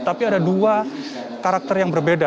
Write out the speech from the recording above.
tapi ada dua karakter yang berbeda